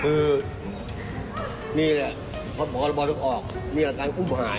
คือนี่แหละเพราะพอดับรบออกมีการอุ้มหาย